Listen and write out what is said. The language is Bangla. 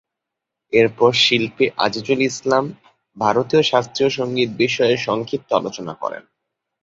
এরপর শিল্পী আজিজুল ইসলাম ভারতীয় শাস্ত্রীয় সংগীত বিষয়ে সংক্ষিপ্ত আলোচনা করেন।